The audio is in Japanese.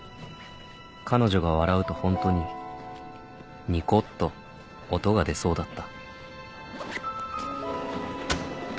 彼女が笑うとホントにニコッと音が出そうだった